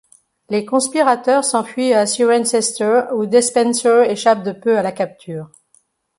Les conspirateurs s'enfuient à Cirencester, où Despenser échappe de peu à la capture.